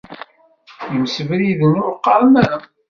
Imsebriden ur qqaren ara.